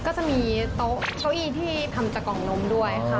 ก็จะมีโต๊ะเก้าอี้ที่ทำจากกล่องนมด้วยค่ะ